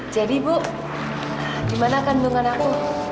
jadi bu gimana kandungan aku